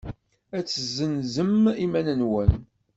Ad tezzenzem iman-nwen.